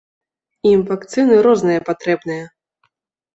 Ім вакцыны розныя патрэбныя.